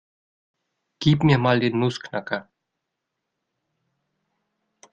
Gib mir mal den Nussknacker.